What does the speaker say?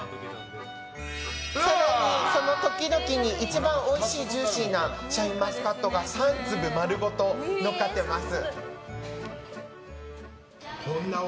更に、その時々に一番おいしいジューシーなシャインマスカットが３粒丸ごとのっかってます。